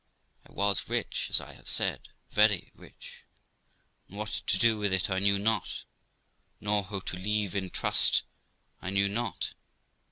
I was rich, as I have said, very rich, and what to do with it I knew not; nor who to leave in trust I knew not.